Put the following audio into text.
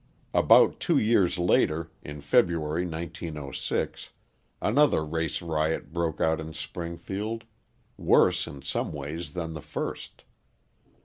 About two years later, in February, 1906, another race riot broke out in Springfield worse in some ways than the first.